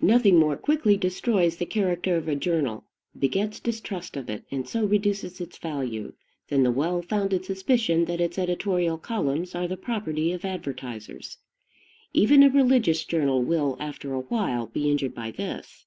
Nothing more quickly destroys the character of a journal, begets distrust of it, and so reduces its value, than the well founded suspicion that its editorial columns are the property of advertisers. Even a religious journal will, after a while, be injured by this.